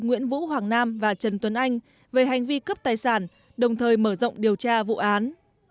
nguyễn vũ hoàng nam và trần tuấn anh về hành vi cướp tài sản đồng thời mở rộng điều tra vụ án